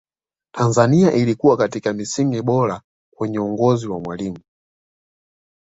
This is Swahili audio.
tanzania ilikuwa katika misingi bora kwenye uongozi wa mwalimu